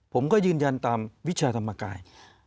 ผมก็ยืนยันตามวิชาธรรมกาย